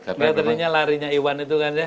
ternyata larinya iwan itu kan ya